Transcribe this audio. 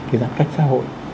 cái giãn cách xã hội